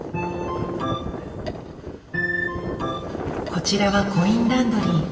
こちらはコインランドリー。